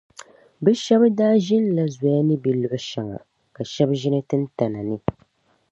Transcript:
Bɛ shɛb’ daa ʒinila zoya ni be luɣ’ shɛŋa, ka shɛb’ ʒini tintana ni.